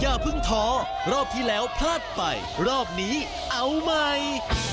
อย่าเพิ่งท้อรอบที่แล้วพลาดไปรอบนี้เอาใหม่